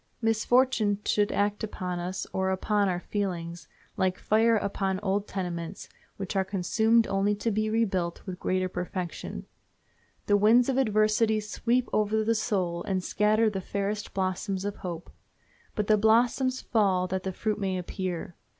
Misfortune should act upon us or upon our feelings like fire upon old tenements, which are consumed only to be rebuilt with greater perfection. The winds of adversity sweep over the soul and scatter the fairest blossoms of hope. But the blossoms fall that the fruit may appear.